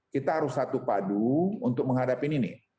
kita harus satu padu untuk menghadapi ini